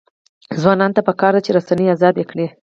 ځوانانو ته پکار ده چې، رسنۍ ازادې کړي.